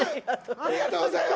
ありがとうございます！